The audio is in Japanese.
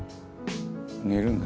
「寝るんだ？